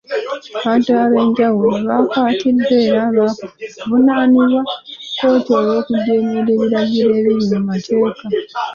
Abantu abe'njawulo bakwatiddwa era baakuvunaanibwa mu kkooti olw'okujeemera ebiragiro ebiri mu mateeka.